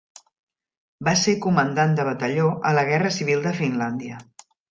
Va ser comandant de batalló a la Guerra Civil de Finlàndia.